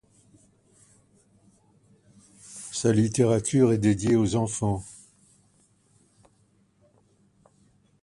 Sa littérature est dédiée aux enfants.